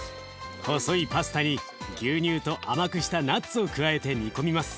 細いパスタに牛乳と甘くしたナッツを加えて煮込みます。